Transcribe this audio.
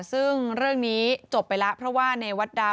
ซึ่งเรื่องนี้จบไปแล้วเพราะว่าเนวัตดาว